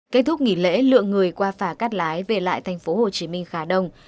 kết thúc nghỉ lễ lượng người qua phà cắt lái về lại thành phố hồ chí minh khá đông